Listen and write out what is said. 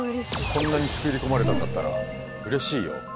こんなに作り込まれたんだったらうれしいよ！